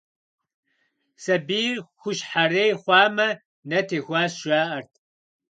Сабийр хущхьэрей хъуамэ, нэ техуащ, жаӏэрт.